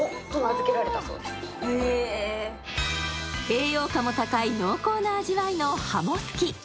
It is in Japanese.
栄養価も高い濃厚な味わいの鱧すき。